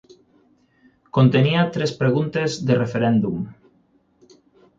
Contenia tres preguntes de referèndum.